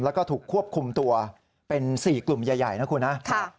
แล้วก็ถูกควบคุมตัวเป็น๔กลุ่มใหญ่นะคุณนะ